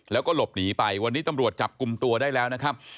แล้วก็หลบหนีไปวันนี้ตำรวจจับกลุ่มตัวได้แล้วนะครับ